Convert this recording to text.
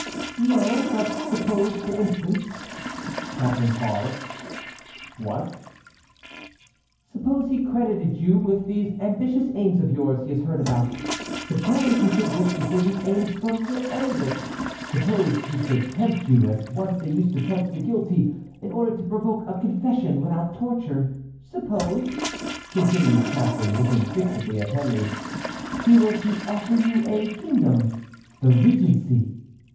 "No; but suppose for instance"— Catharine paused. "What." "Suppose he credited you with these ambitious aims of yours he has heard about; suppose he should wish to hear these aims from your own lips; suppose he should tempt you as once they used to tempt the guilty in order to provoke a confession without torture; suppose," continued Catharine, looking fixedly at Henry, "he were to offer you a kingdom, the regency!"